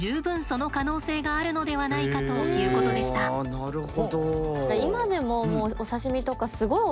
あなるほど。